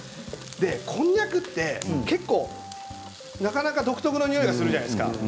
こんにゃくって結構なかなか独特なにおいがするじゃないですか。